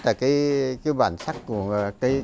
là cái bản sắc của